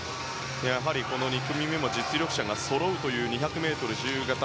２組目も実力者がそろうという２００ｍ自由形。